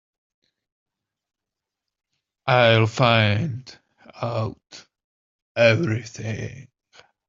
I'll find out everything.